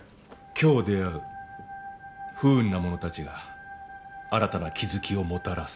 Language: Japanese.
今日出会う不運な者たちが新たな気づきをもたらす。